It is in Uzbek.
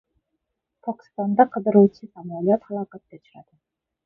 Pokistonda qiruvchi samolyot halokatga uchradi